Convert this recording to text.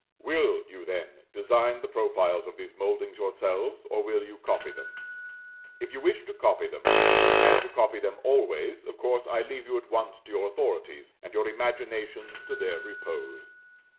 Will, you, then, design the profiles of these mouldings yourselves, or will you copy them? If you wish to copy them, and to copy them always, of course I leave you at once to your authorities, and your imaginations to their repose.